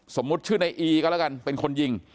สมมุติชื่อในอีก็แล้วกันเป็นคนยิง